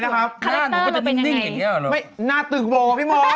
นั่นเขาอยากเป็นสายสวยนะ